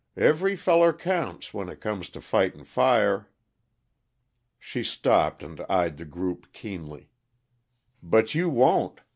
Every feller counts, when it comes to fightin' fire." She stopped and eyed the group keenly. "But you won't.